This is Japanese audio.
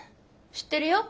知ってるよ。